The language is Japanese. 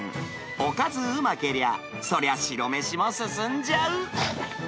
おかずうまけりゃ、そりゃ白飯も進んじゃう。